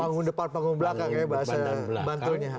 panggung depan panggung belakang ya bahasa bantulnya